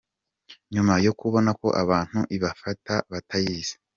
nyuma yo kubona ko abantu ibafata batayizi